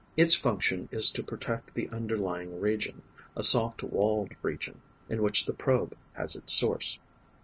Its function is to protect the underlying region, a soft walled region in which the probe has its source.